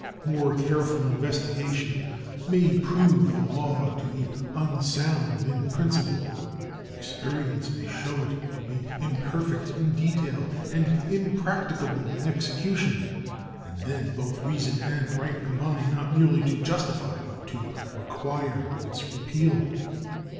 More careful investigation may prove the law to be unsound in principle. Experience may show it to be imperfect in detail and impracticable in execution. And then both reason and right combine not merely to justify but to require its repeal.